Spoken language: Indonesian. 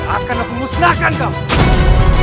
akan aku musnahkan kau